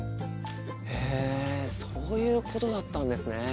へえそういうことだったんですね。